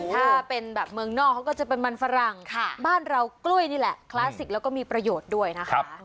ถ้าเป็นแบบเมืองนอกเขาก็จะเป็นมันฝรั่งบ้านเรากล้วยนี่แหละคลาสสิกแล้วก็มีประโยชน์ด้วยนะคะ